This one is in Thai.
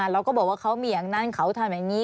เราก็บอกว่าเขามีอย่างนั้นเขาทำอย่างนี้